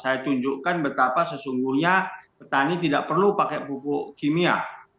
saya tunjukkan betapa sesungguhnya petani tidak perlu pakai pupuk kimia